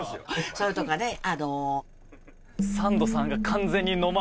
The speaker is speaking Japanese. それとかねあの。